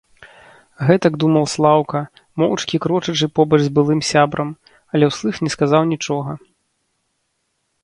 Гэтак думаў Слаўка, моўчкі крочачы побач з былым сябрам, але ўслых не сказаў нічога.